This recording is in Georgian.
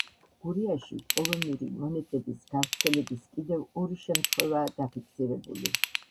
გურიაში პოლონური მონეტების გავრცელების კიდევ ორი შემთხვევაა დაფიქსირებული.